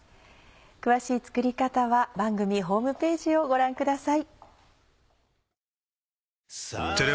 詳しい作り方は番組ホームページをご覧ください。